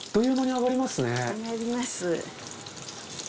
揚がります。